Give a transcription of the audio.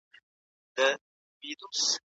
مینه مو زړه ده پیوند سوې له ازله